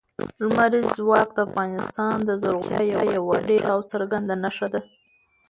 لمریز ځواک د افغانستان د زرغونتیا یوه ډېره ښه او څرګنده نښه ده.